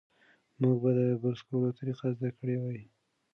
موږ به د برس کولو طریقه زده کړې وي.